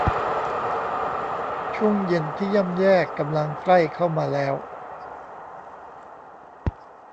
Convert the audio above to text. ช่วงเย็นที่ย่ำแย่กำลังใกล้เข้ามาแล้ว